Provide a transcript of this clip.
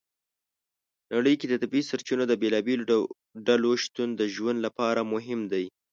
نړۍ کې د طبیعي سرچینو د بېلابېلو ډولو شتون د ژوند لپاره مهم دی.